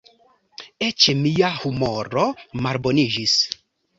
Eĉ mia humoro malboniĝis.